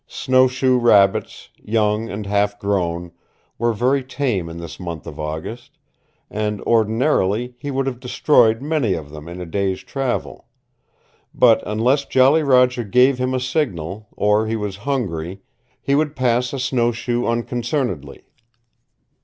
Snowshoe rabbits, young and half grown, were very tame in this month of August, and ordinarily he would have destroyed many of them in a day's travel. But unless Jolly Roger gave him a signal, or he was hungry, he would pass a snowshoe unconcernedly.